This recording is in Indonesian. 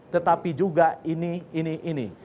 tetapi juga ini ini dan ini